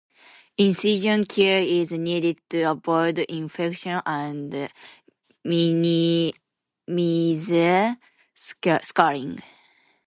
Incision care is needed to avoid infection and minimize scarring.